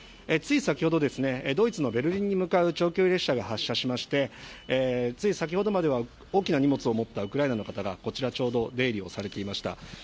つい先ほど、ドイツのベルリンに向かう長距離列車が発車しまして、つい先ほどまでは大きな荷物を持ったウクライナの方が、こちらちょうど出入りをされていました。